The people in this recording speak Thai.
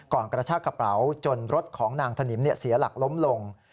กระชากระเป๋าจนรถของนางถนิมเสียหลักล้มลง